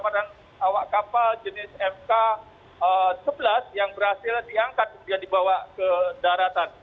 tawak kapal jenis fk sebelas yang berhasil diangkat dan dibawa ke daratan